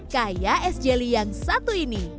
kayak es jelly yang satu ini